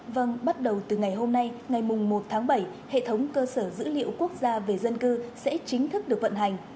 vâng bắt đầu từ ngày hôm nay ngày một tháng bảy hệ thống cơ sở dữ liệu quốc gia về dân cư sẽ chính thức được vận hành